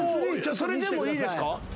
それでもいいですか？